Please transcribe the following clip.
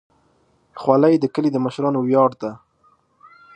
خولۍ د کلي د مشرانو ویاړ ده.